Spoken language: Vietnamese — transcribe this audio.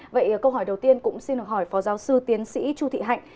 vậy câu hỏi đầu tiên cũng xin được hỏi phó giáo sư tiến sĩ chu thị hạnh